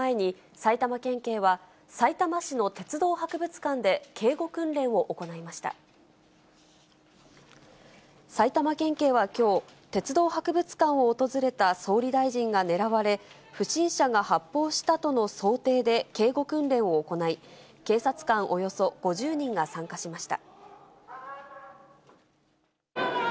埼玉県警はきょう、鉄道博物館を訪れた総理大臣が狙われ、不審者が発砲したとの想定で、警護訓練を行い、警察官およそ５０人が参加しました。